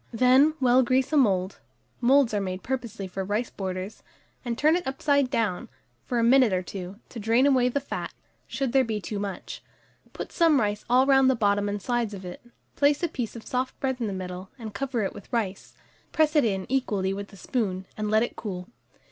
Then well grease a mould (moulds are made purposely for rice borders), and turn it upside down for a minute or two, to drain away the fat, should there be too much; put some rice all round the bottom and sides of it; place a piece of soft bread in the middle, and cover it with rice; press it in equally with the spoon, and let it cool.